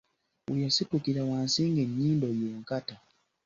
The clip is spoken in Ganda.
We yasitukira wansi ng’ennyindo y’enkata.